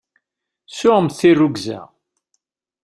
Sɛumt tirrugza!